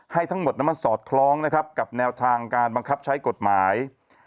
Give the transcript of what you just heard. ทั้งหมดนั้นมันสอดคล้องนะครับกับแนวทางการบังคับใช้กฎหมาย